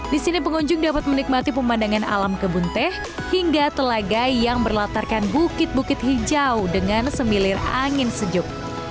di sini pengunjung dapat menikmati pemandangan alam kebun teh hingga telaga yang berlatarkan bukit bukit hijau dengan semilir angin sejuk